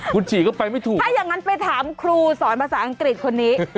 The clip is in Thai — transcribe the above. คุณฉี่ก็ไปไม่ถูกถ้าอย่างนั้นไปถามครูสอนภาษาอังกฤษคนนี้